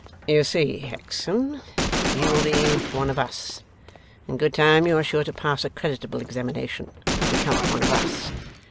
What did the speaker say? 'You see, Hexam, you will be one of us. In good time you are sure to pass a creditable examination and become one of us.